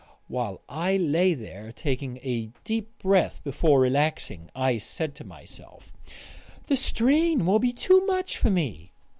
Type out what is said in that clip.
While I lay there, taking a deep breath before relaxing, I said to myself, "The strain will be too much for me."